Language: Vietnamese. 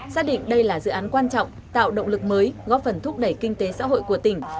xác định đây là dự án quan trọng tạo động lực mới góp phần thúc đẩy kinh tế xã hội của tỉnh